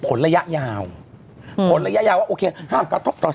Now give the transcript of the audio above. พี่เราหลุดมาไกลแล้วฝรั่งเศส